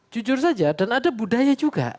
jujur saja dan ada budaya juga